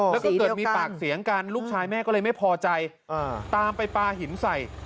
แล้วก็เกิดมีปากเสียงกันลูกชายแม่ก็เลยไม่พอใจตามไปปลาหินใส่